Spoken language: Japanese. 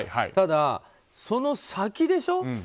ただ、その先でしょ。